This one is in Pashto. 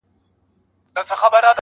سترگه وره مي په پت باندي پوهېږي.